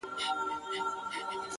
• ګوندي وي په یوه کونج کي وکړي دمه ,